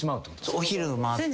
お昼回って。